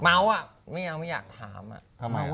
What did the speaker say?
อ่ะไม่เอาไม่อยากถามอ่ะ